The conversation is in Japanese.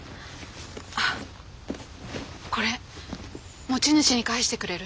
あっこれ持ち主に返してくれる？